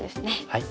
はい。